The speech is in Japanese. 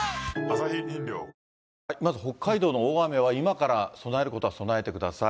まず北海道の大雨は、今から備えることは備えてください。